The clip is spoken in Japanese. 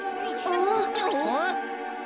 あっ？